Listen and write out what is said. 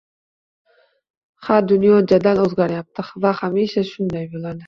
Ha, dunyo jadal oʻzgaryapti va hamisha shunday boʻladi.